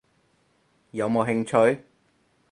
有冇興趣？